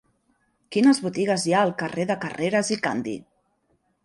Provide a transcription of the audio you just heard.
Quines botigues hi ha al carrer de Carreras i Candi?